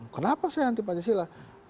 kenapa saya anti pancasila